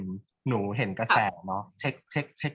กากตัวทำอะไรบ้างอยู่ตรงนี้คนเดียว